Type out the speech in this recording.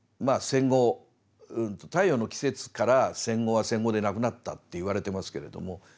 戦後「太陽の季節」から戦後は戦後でなくなったって言われてますけれども。